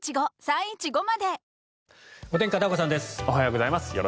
おはようございます。